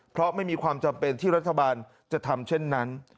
เพราะไม่มีความจำเป็นที่รัฐบาลจะทำเช่นนั้น